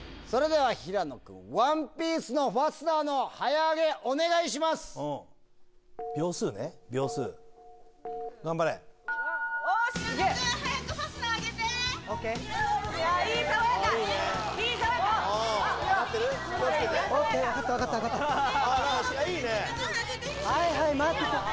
それでは平野君、ワンピースのファスナーの早上げお願いします。